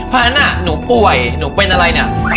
อันนั้นหนูป่วยหนูเป็นอะไรเนี่ย